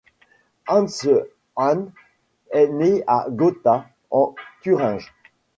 Hans Hahn est né à Gotha en Thuringe.